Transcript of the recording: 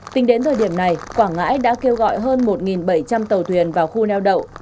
tính đến thời điểm này quảng ngãi đã kêu gọi hơn một bảy trăm linh tàu thuyền vào khu neo đậu